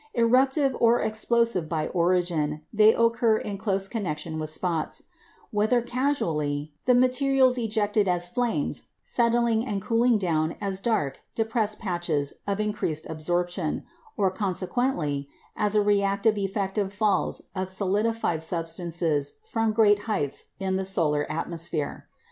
Eruptive or explosive by origin, they occur in close connection with spots; whether causally, the materials ejected as "flames" cooling and settling down as dark, depressed patches of increased absorption; or consequentially, as a reactive effect of falls of solidified substances from great heights in the solar atmosphere.